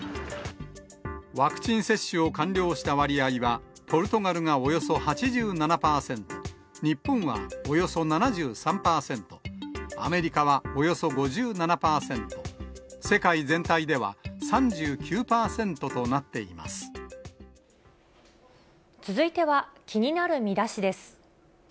ワクチン接種を完了した割合はポルトガルがおよそ８７％、日本はおよそ７３％、アメリカはおよそ５７％、世界全体では３９続いては、気になるミダシです。